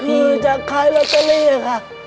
คือจากคลายลัตเตอรี่ค่ะ